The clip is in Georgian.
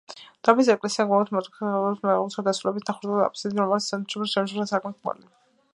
დარბაზული ეკლესია გეგმით მართკუთხა მოხაზულობისაა, აღმოსავლეთით დასრულებულია ნახევარწრიული აბსიდით, რომლის ცენტრში შემორჩენილია სარკმლის კვალი.